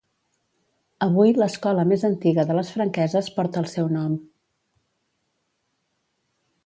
Avui l'escola més antiga de les Franqueses porta el seu nom.